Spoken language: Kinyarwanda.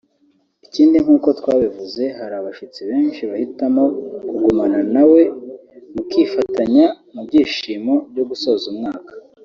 Ikindi nk’uko twabivuze hari abashyitsi benshi bahitamo kugumana nawe mukifatanya mu byishimo byo gusoza umwaka